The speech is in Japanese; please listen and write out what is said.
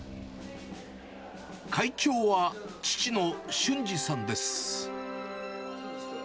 会長は父の俊治さんです。